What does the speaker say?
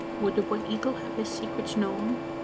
"Would the White Eagle have his secrets known?